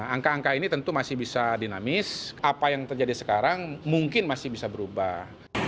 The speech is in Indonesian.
angka angka ini tentu masih bisa dinamis apa yang terjadi sekarang mungkin masih bisa berubah